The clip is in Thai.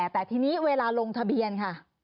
แต่ทีนี้เวลาลงทะเบียนค่ะ